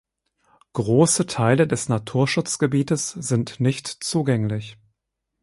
Große Teile des Naturschutzgebietes sind nicht zugänglich.